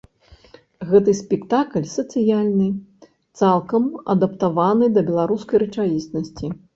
Гэта спектакль сацыяльны, цалкам адаптаваны да беларускай рэчаіснасці.